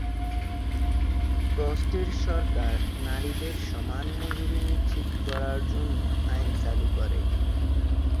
ফ্রস্টের সরকার নারীদের সমান মজুরি নিশ্চিত করার জন্য আইন চালু করে।